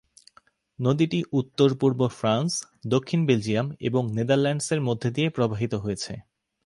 নদীটি উত্তর-পূর্ব ফ্রান্স, দক্ষিণ বেলজিয়াম এবং নেদারল্যান্ডসের মধ্য দিয়ে প্রবাহিত হয়েছে।